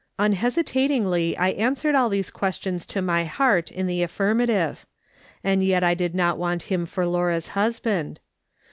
Unhesitatingly I answered all these questions to my heart in the affirmative ; and yet I did not want him for Laura's husband.